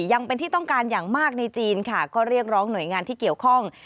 ยังเป็นที่ต้องการอย่างมากในจีนค่ะก็เรียกร้องหน่วยงานที่เกี่ยวข้อง